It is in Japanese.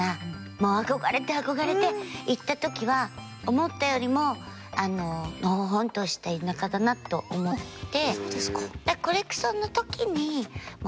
もう憧れて憧れて行った時は思ったよりものほほんとした田舎だなと思って。